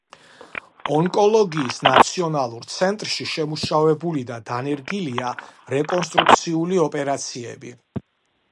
ონკოლოგიის ნაციონალურ ცენტრში შემუშავებული და დანერგილია რეკონსტრუქციული ოპერაციები.